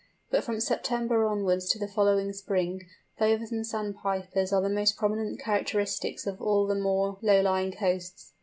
But from September onwards to the following spring, Plovers and Sandpipers are the most prominent characteristics of all the more low lying coasts.